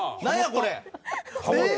これ。